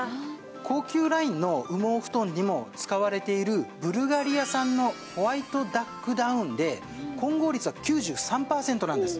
高級ラインの羽毛布団にも使われているブルガリア産のホワイトダックダウンで混合率は９３パーセントなんです。